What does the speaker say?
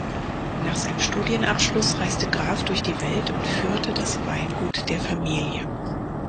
Nach seinem Studienabschluss reiste Graf durch die Welt und führte das Weingut der Familie.